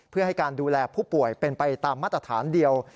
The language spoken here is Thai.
เพื่อให้การดูแลผู้ป่วยเป็นไปตามมาตรฐานเดียว